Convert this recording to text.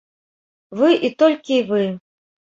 Вы і толькі вы.